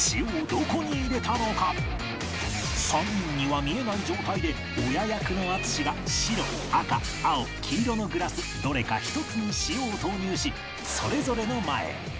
３人には見えない状態で親役の淳が白赤青黄色のグラスどれか１つに塩を投入しそれぞれの前へ